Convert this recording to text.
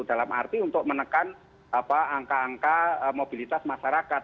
dalam arti untuk menekan angka angka mobilitas masyarakat